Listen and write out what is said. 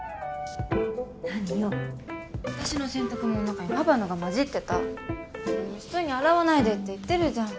何よ私の洗濯物の中にパパのがまじってたもう一緒に洗わないでって言ってるじゃん！